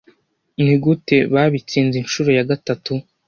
Nigute babatsinze inshuro ya gatatu